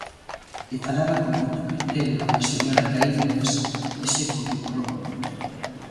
E falaba con moito criterio a señora Caíñas dese currículo oculto.